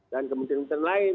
dan kementerian lain